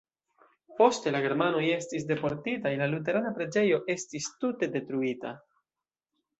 Poste la germanoj estis deportitaj, la luterana preĝejo estis tute detruita.